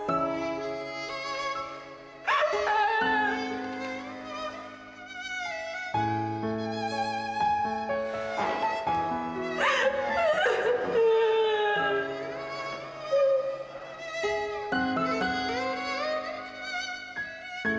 uka menjaga aaaa